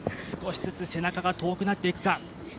少しずつ背中が遠くなっていくか。